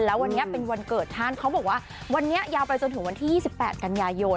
แล้ววันนี้เป็นวันเกิดท่านเขาบอกว่าวันนี้ยาวไปจนถึงวันที่๒๘กันยายน